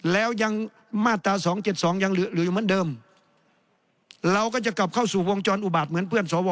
แล้วยังมาตราสองเจ็ดสองยังเหลืออยู่เหมือนเดิมเราก็จะกลับเข้าสู่วงจรอุบัติเหมือนเพื่อนสว